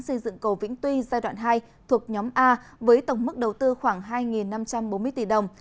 xây dựng cầu vĩnh tuy giai đoạn hai thuộc nhóm a với tổng mức đầu tư khoảng hai năm trăm bốn mươi tỷ đồng